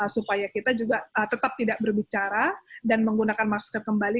supaya kita juga tetap tidak berbicara dan menggunakan masker kembali